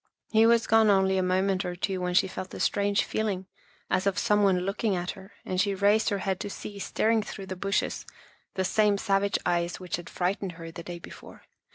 He was gone only a moment or two when she felt a strange feeling as of some one looking at her, and she raised her head to see, staring through the bushes, the same savage eyes which had frightened her the day before.